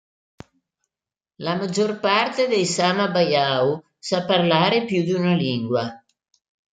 La maggior parte dei Sama-Bajau sa parlare più di una lingua.